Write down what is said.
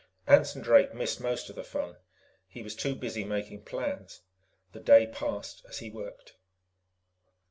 Anson Drake missed most of the fun; he was too busy making plans. The day passed as he worked.